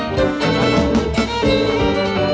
สวัสดีครับ